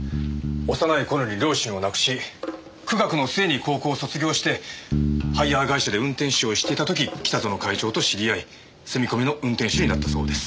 幼い頃に両親を亡くし苦学の末に高校を卒業してハイヤー会社で運転手をしていた時北薗会長と知り合い住み込みの運転手になったそうです。